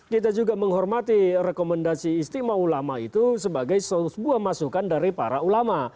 kita juga menghormati rekomendasi istimewa ulama itu sebagai sebuah masukan dari para ulama